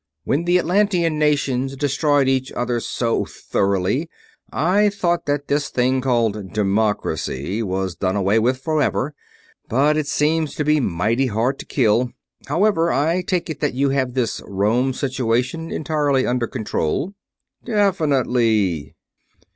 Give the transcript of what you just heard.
When the Atlantean nations destroyed each other so thoroughly I thought that this thing called 'democracy' was done away with forever, but it seems to be mighty hard to kill. However, I take it that you have this Rome situation entirely under control?" "Definitely.